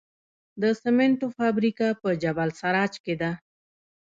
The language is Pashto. د سمنټو فابریکه په جبل السراج کې ده